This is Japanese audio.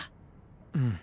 うん。